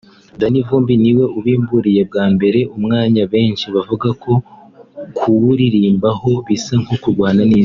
Danny Vumbi ni we ubimburiye bwa mbere [umwanya benshi bavuga ko kuwuririmbaho bisa no kurwana n’Isi]